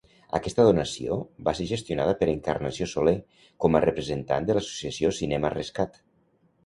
Aquesta donació va ser gestionada per Encarnació Soler com a representant de l'associació Cinema Rescat.